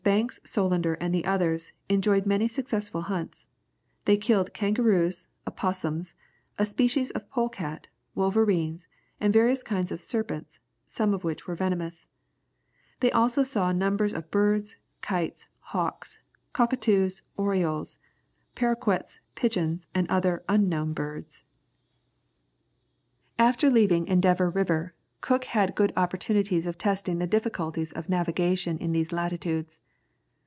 Banks, Solander, and others, enjoyed many successful hunts. They killed kangaroos, opossums, a species of pole cat, wolves, and various kinds of serpents, some of which were venomous. They also saw numbers of birds, kites, hawks, cockatoos, orioles, paroquets, pigeons, and other unknown birds. [Illustration: Tahitian fleet off Oparee. (Fac simile of early engraving.)] After leaving Endeavour River, Cook had good opportunities of testing the difficulties of navigation in these latitudes.